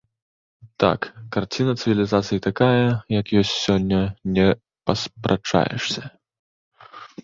Так, карціна цывілізацыі такая, як ёсць сёння, не паспрачаешся.